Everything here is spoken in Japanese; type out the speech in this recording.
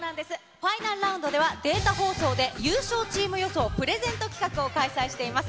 ファイナルラウンドではデータ放送で優勝チーム予想プレゼント企画を開催しています。